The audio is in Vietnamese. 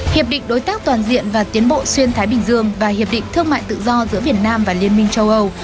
hiệp định đối tác toàn diện và tiến bộ xuyên thái bình dương và hiệp định thương mại tự do giữa việt nam và liên minh châu âu